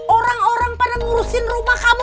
orang orang pada ngurusin rumah kamu